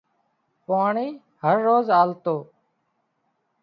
پاڻي هروز آلتو